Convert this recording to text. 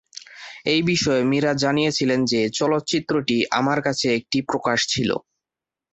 এই বিষয়ে মীরা জানিয়েছিলেন যে, "চলচ্চিত্রটি আমার কাছে একটি প্রকাশ ছিল"।